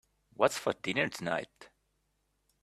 What's for dinner tonight?